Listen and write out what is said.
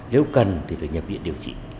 nếu cần thì phải nhập viện điều trị